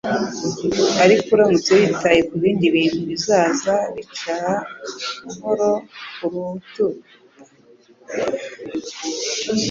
ariko uramutse witaye ku bindi bintu, bizaza bicare buhoro ku rutugu. ”